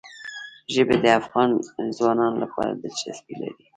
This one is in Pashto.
ژبې د افغان ځوانانو لپاره دلچسپي لري.